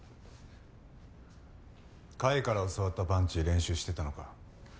甲斐から教わったパンチ練習してたのか。